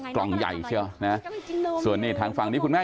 เพื่อนบ้านเจ้าหน้าที่อำรวจกู้ภัย